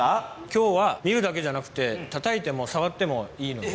今日は見るだけじゃなくてたたいてもさわってもいいので。